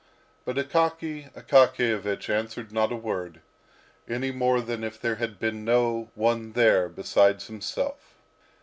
But Akaky Akakiyevich answered not a word, any more than if there had been no one there besides himself.